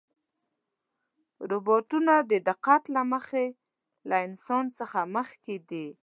روبوټونه د دقت له مخې له انسان څخه مخکې دي.